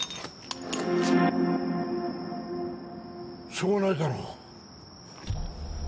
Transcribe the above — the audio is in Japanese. しょうがないだろう。